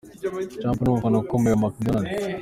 Trump ni umufana ukomeye wa McDonald.